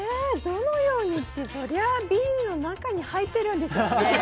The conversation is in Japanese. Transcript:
どのように？ってそりゃあビールの中に入ってるんですよね。